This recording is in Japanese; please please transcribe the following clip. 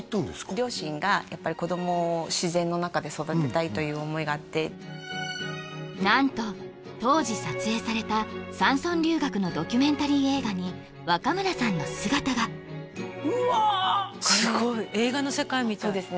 両親がやっぱり子どもを自然の中で育てたいという思いがあって何と当時撮影された山村留学のドキュメンタリー映画に若村さんの姿がうわすごい映画の世界みたいそうですね